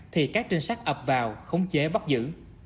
thì các trinh sát ập vào khống chế bắt giữ